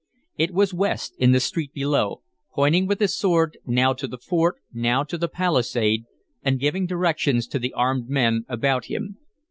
It was West in the street below, pointing with his sword now to the fort, now to the palisade, and giving directions to the armed men about him.